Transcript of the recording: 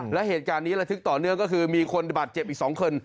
และเหตุการณ์นี้ระทึกต่อเนื่องก็คือมีคนบาดเจ็บอีก๒คน